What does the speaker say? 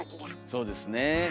そうですね。